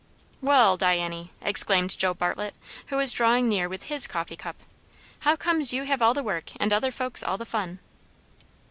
"Wall, Diany," exclaimed Joe Bartlett, now drawing near with his coffee cup, "how comes you have all the work and other folks all the fun?"